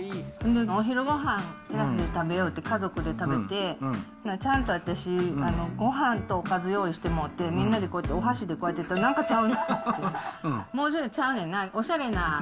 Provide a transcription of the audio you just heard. お昼ごはん、テラスで食べようって家族で食べて、ちゃんと私、ごはんとおかず用意してもうて、みんなでこうやってお箸でやったら、なんかちゃうな、もうちょっとちゃうねんな、おしゃれな。